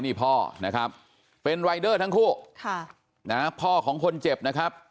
นี่พ่อนะครับเป็นรายเดอร์ทั้งคู่ค่ะนะพ่อของคนเจ็บนะครับ